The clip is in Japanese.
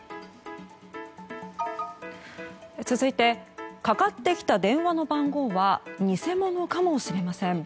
続いてかかってきた電話の番号は偽物かもしれません。